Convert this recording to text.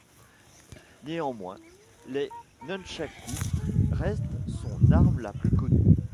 Néanmoins, les nunchakus restent son arme la plus connue.